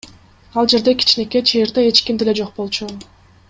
Ал жерде кичинекей чыйырда эч ким деле жок болчу.